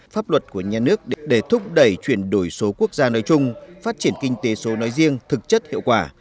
pháp luật của nhà nước để thúc đẩy chuyển đổi số quốc gia nơi chung phát triển kinh tế số nói riêng thực chất hiệu quả